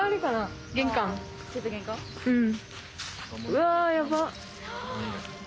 ・うわやばっ！